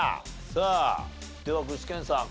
さあでは具志堅さん。